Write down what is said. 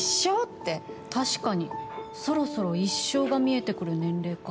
確かにそろそろ一生が見えてくる年齢か。